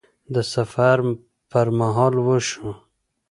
د سفر پر مهال وشو